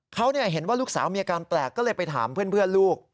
เขาเห็นว่าลูกสาวมีอาการแปลกก็เลยไปถามเพื่อนลูก